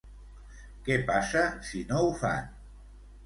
Què passa si no ho fan?